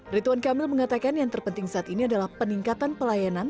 rituan kamil mengatakan yang terpenting saat ini adalah peningkatan pelayanan